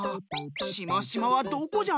しましまはどこじゃ？